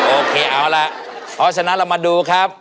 โอเคเอาล่ะเพราะฉะนั้นเรามาดูครับ